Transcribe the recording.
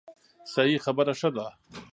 صحیح خبره ښه ده.